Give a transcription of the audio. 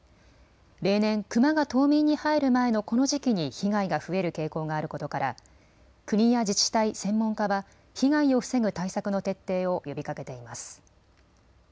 例年クマが冬眠に入る前のこの時期に被害が増える傾向があることから、国や自治体、専門家は被害を防ぐ対策の徹底を呼びかけています。